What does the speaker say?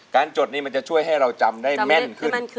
จดนี้มันจะช่วยให้เราจำได้แม่นขึ้น